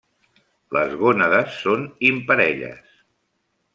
Les gònades són imparelles.